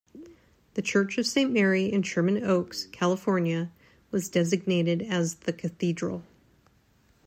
The Church of Saint Mary in Sherman Oaks, California, was designated as the cathedral.